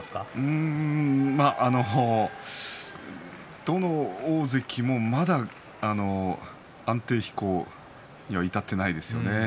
うーんどの大関もまだ安定飛行には至ってないですね。